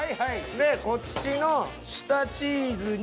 でこっちの下チーズに。